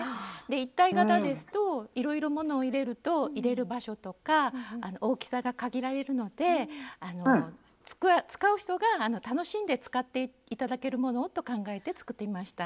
一体型ですといろいろものを入れると入れる場所とか大きさが限られるので使う人が楽しんで使って頂けるものをと考えて作ってみました。